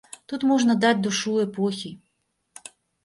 Тут можна даць душу эпохі.